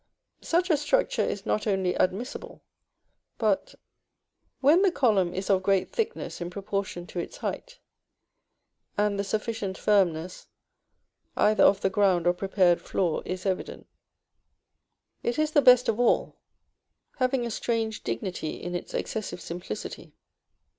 Such a structure is not only admissible, but, when the column is of great thickness in proportion to its height, and the sufficient firmness, either of the ground or prepared floor, is evident, it is the best of all, having a strange dignity in its excessive simplicity.